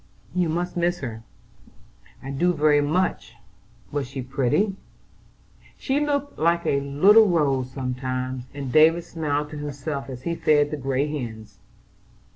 "You must miss her." "I do very much." "Was she pretty?" "She looked like a little rose sometimes," and David smiled to himself as he fed the gray hens.